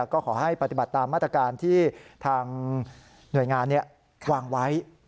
ก็ขอให้ปฏิบัติตามมาตรการที่ทางหน่วยงานวางไว้